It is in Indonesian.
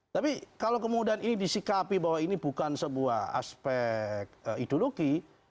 tapi kalau kemudian ini disikapi bahwa ini bukan sebuah aspek ideologi